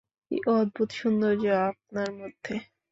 কি অদ্ভুত সৌন্দর্য আপনার মধ্যে!